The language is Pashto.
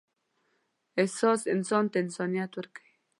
احساس انسان ته انسانیت ورکوي.